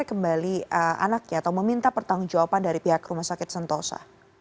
bagaimana cara menukar kembali anaknya atau meminta pertanggung jawaban dari pihak rumah sakit sentosa